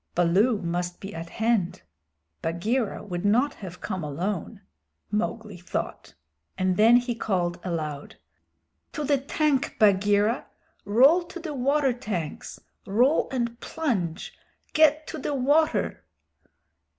"Baloo must be at hand; Bagheera would not have come alone," Mowgli thought. And then he called aloud: "To the tank, Bagheera. Roll to the water tanks. Roll and plunge! Get to the water!"